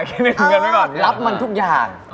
หรับมันทุกอย่าง